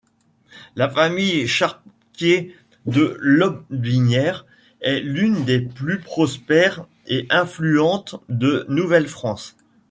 La famille Chartier de Lotbinière est l’une des plus prospères et influentes de Nouvelle-France.